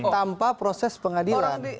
tanpa proses pengadilan